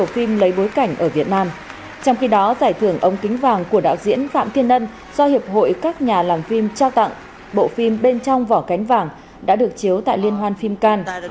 phạm thiên ân giải ống kính vàng của đạo diễn phạm thiên ân do hiệp hội các nhà làm phim trao tặng bộ phim bên trong vỏ kén vàng đã được chiếu tại liên hoan phim cannes